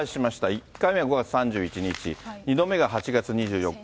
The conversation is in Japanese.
１回目は５月３１日、２度目が８月２４日。